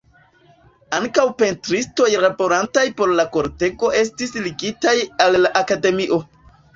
Ankaŭ pentristoj laborantaj por la kortego estis ligitaj al la akademio.